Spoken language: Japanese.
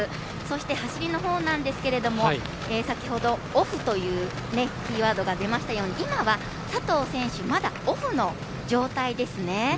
そして走りのほうなんですけれども先ほど、オフというキーワードが出ましたように今は佐藤選手、まだオフの状態ですね。